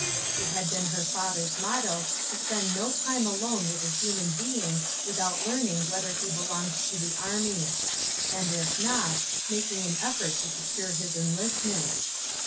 It had been her father's motto to I ?6 INTERRUPTED. spend no time alone with a human being without learning whether he belonged to the army ; and if not, making an effort to se cure his enlistment.